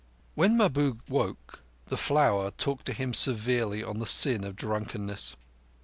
When Mahbub woke, the Flower talked to him severely on the sin of drunkenness.